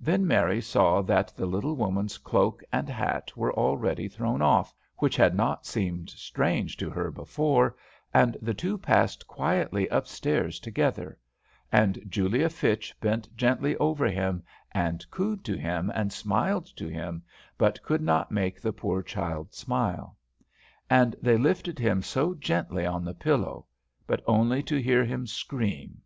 Then Mary saw that the little woman's cloak and hat were already thrown off, which had not seemed strange to her before, and the two passed quietly up stairs together; and Julia Fitch bent gently over him, and cooed to him, and smiled to him, but could not make the poor child smile. And they lifted him so gently on the pillow, but only to hear him scream.